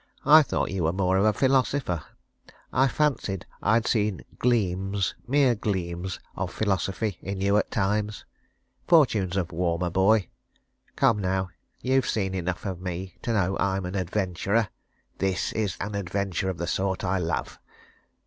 "I thought you were more of a philosopher I fancied I'd seen gleams mere gleams of philosophy in you at times. Fortunes of war, my boy! Come now you've seen enough of me to know I'm an adventurer. This is an adventure of the sort I love.